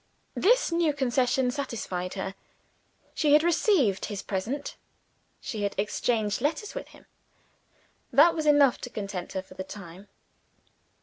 This new concession satisfied her. She had received his present; she had exchanged letters with him that was enough to content her for the time.